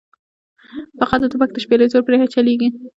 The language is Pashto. فقط د توپک د شپېلۍ زور پرې چلېږي.